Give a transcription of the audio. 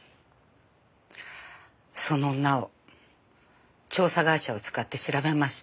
その女を調査会社を使って調べました。